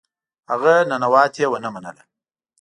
هغه ننواتې ونه منله.